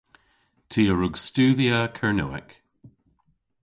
Ty a wrug studhya Kernewek.